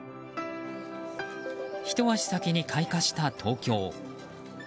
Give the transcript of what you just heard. ひと足先に開花した東京。